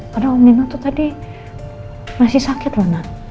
padahal om nino tuh tadi masih sakit mak